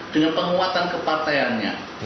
dengan penguatan kepartaiannya